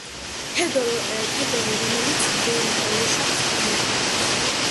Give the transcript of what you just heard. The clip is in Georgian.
თევდორე, რომელიც გველეშაპს განგმირავს.